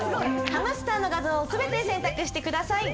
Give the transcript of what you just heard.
ハムスターの画像を全て選択してください。